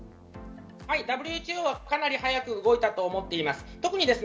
ＷＨＯはかなり早く動いたと思います。